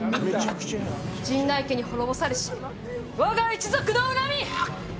陣内家に滅ぼされしわが一族の恨み！